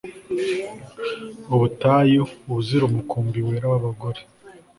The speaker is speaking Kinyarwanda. Ubutayu ubuzira umukumbi wera wabagore